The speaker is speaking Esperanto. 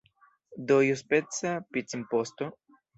Do iuspeca pic-imposto?